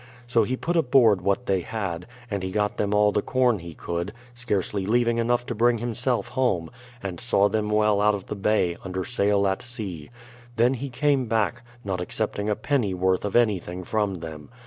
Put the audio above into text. So he put aboard what they had, and he got them all the corn he could, scarcely leaving enough to bring himself home, and saw them well out of the bay, under sail at sea. Then he came back, not accepting a penny worth of anything from them.